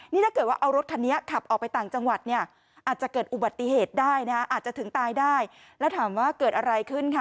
นี่ถ้าเกิดว่าเอารถคันนี้ขับออกไปต่างจังหวัดเนี่ยอาจจะเกิดอุบัติเหตุได้นะอาจจะถึงตายได้แล้วถามว่าเกิดอะไรขึ้นค่ะ